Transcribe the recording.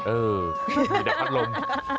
เออมีแต่พัดลม